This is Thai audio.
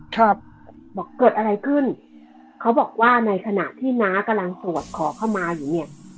ครับบอกเกิดอะไรขึ้นเขาบอกว่าในขณะที่น้ากำลังสวดขอเข้ามาอยู่เนี่ย